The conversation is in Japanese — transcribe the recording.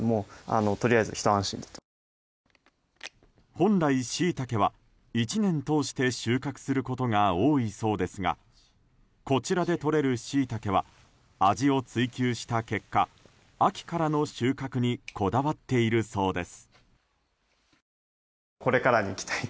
本来、シイタケは１年通して収穫することが多いそうですがこちらでとれるシイタケは味を追求した結果秋からの収穫にこだわっているそうです。